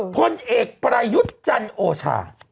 พลเอกประยุทธ์จันโอชา